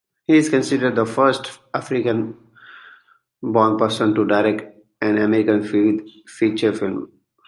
He is considered the first African-born person to direct an American feature film.